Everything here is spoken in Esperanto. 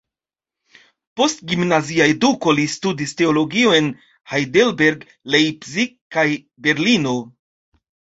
Post gimnazia eduko li studis teologion en Heidelberg, Leipzig kaj Berlino.